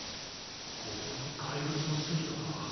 ここが怪物の住み処か。